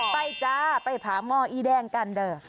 จ้าไปผาหมออีแดงกันเด้อ